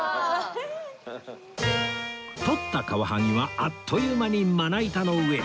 とったカワハギはあっという間にまな板の上へ